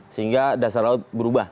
sehingga dasar laut berubah